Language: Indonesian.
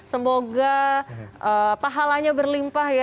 semoga pahalanya berlimpah ya